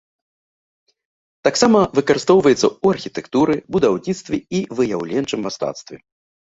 Таксама выкарыстоўваецца ў архітэктуры, будаўніцтве і выяўленчым мастацтве.